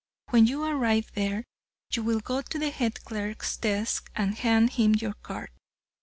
When you arrive there, you will go to the head clerk's desk and hand him your card."